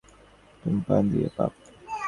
এখন আবার তাঁর মনে হচ্ছে, আমার ধূমপানাদিও পাপ।